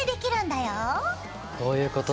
こういうことだ。